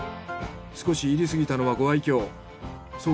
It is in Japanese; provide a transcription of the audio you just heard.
少し炒りすぎたのはご愛きょう。